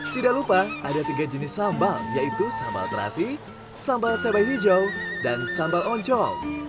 tidak lupa ada tiga jenis sambal yaitu sambal terasi sambal cabai hijau dan sambal oncol